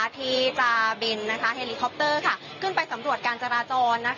ที่จะบินเฮลิคอปเตอร์ขึ้นไปสำรวจการจราจร